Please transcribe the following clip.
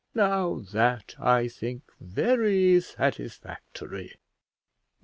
Now that I think very satisfactory."